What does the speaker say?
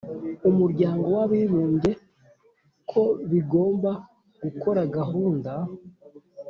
umuryango w'abibumbye ko bigomba gukora gahunda